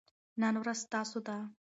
نن ورځ ستاسو ده.